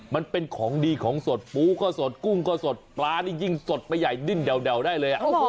มันเป็นของดีของสดปูก็สดกุ้งก็สดปลานี่ยิ่งสดไปใหญ่ดิ้นแด่วได้เลย